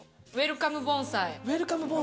ウエルカム盆栽。